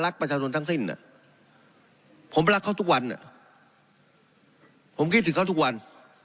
ประชาชนทั้งสิ้นผมรักเขาทุกวันผมคิดถึงเขาทุกวัน